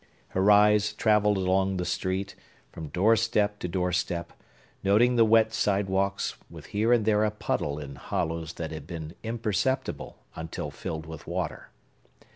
Her eyes travelled along the street, from doorstep to doorstep, noting the wet sidewalks, with here and there a puddle in hollows that had been imperceptible until filled with water.